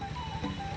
kota pematang siantar